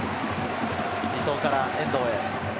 伊東から遠藤へ。